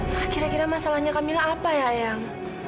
nah kira kira masalahnya kamila apa ya eyang